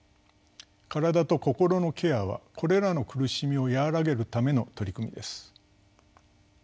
身体と心のケアはこれらの苦しみを和らげるための取り組みです。